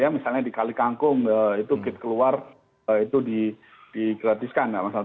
misalnya di kali kangkung itu git keluar itu digratiskan tidak masalah